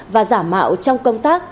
và giả mạo trong công tác